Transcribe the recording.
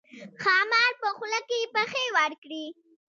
ښامار په خوله کې پښې ورکړې.